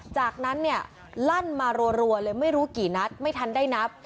จากนั้นเนี่ยลั่นมารัวเลยไม่รู้กี่นัดไม่ทันได้นับ